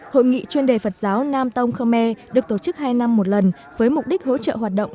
hội nghị chuyên đề phật giáo nam tông khmer được tổ chức hai năm một lần với mục đích hỗ trợ hoạt động